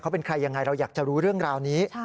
เขาเป็นใครยังไงเราอยากจะรู้เรื่องราวนี้